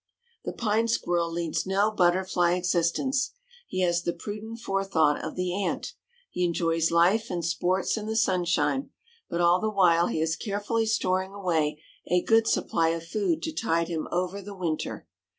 The Pine Squirrel leads no butterfly existence. He has the prudent forethought of the ant. He enjoys life and sports in the sunshine, but all the while he is carefully storing away a good supply of food to tide him over the winter.